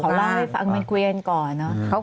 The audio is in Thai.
เขาเล่าให้ฟังมีกวียนก่อนครับ